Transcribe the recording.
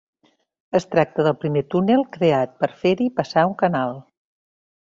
Es tracta del primer túnel creat per fer-hi passar un canal.